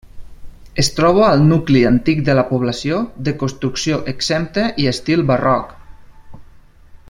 Es troba al nucli antic de la població, de construcció exempta i estil barroc.